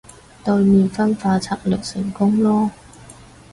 對面分化策略成功囉